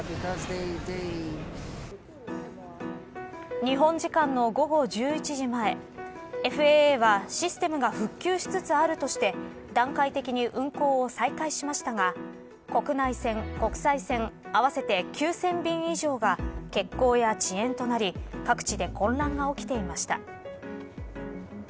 日本時間の午後１１時前ＦＡＡはシステムが復旧しつつあるとして段階的に運航を再開しましたが国内線、国際線、合わせて９０００便以上が欠航や遅延となり各地で混乱が起きていました。